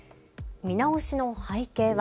見直しの背景は。